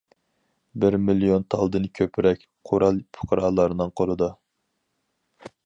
بىر مىليون تالدىن كۆپرەك قورال پۇقرالارنىڭ قولىدا.